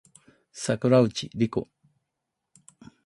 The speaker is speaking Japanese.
桜内梨子